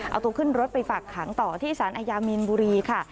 เอาตัวขึ้นรถไปฝากขังต่อที่สารอาญามีนบุรีค่ะ